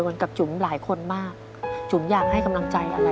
อย่าคิด